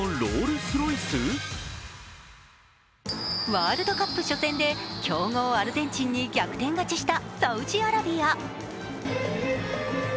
ワールドカップ初戦で強豪アルゼンチンに逆転勝ちしたサウジアラビア。